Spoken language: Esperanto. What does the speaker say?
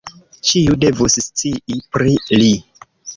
Ĉiu devus scii pri li.